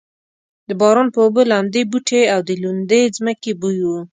د باران په اوبو لمدې بوټې او د لوندې ځمکې بوی و.